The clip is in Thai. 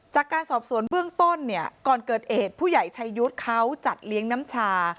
จากการสอบสวนเบื้องต้นเนี่ยก่อนเกิดเหตุผู้ใหญ่ชายุทธ์เขาจัดเลี้ยงน้ำชา